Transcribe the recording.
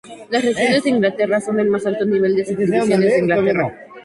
Las regiones de Inglaterra son el más alto nivel de las Subdivisiones de Inglaterra.